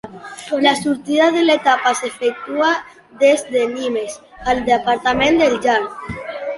La sortida de l'etapa s'efectua des de Nimes, al departament del Gard.